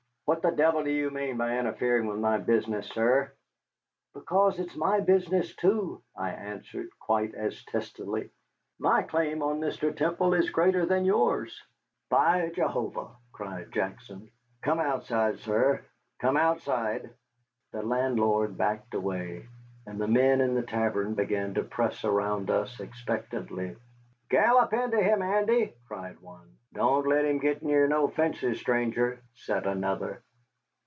"What the devil do you mean by interfering with my business, sir?" "Because it is my business too," I answered, quite as testily; "my claim on Mr. Temple is greater than yours." "By Jehovah!" cried Jackson, "come outside, sir, come outside!" The landlord backed away, and the men in the tavern began to press around us expectantly. "Gallop into him, Andy!" cried one. "Don't let him git near no fences, stranger," said another.